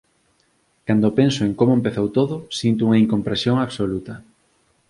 Cando penso en como empezou todo, sinto unha incomprensión absoluta.